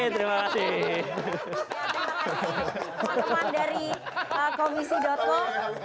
terima kasih teman teman dari komisi co